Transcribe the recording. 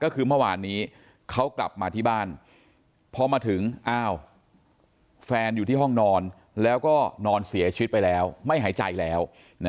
เขาก็นอนเสียชีวิตไปแล้วไม่หายใจแล้ว